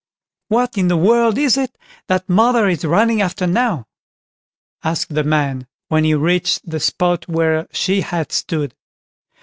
"What in the world is it that mother is running after now?" asked the man, when he reached the spot where she had stood.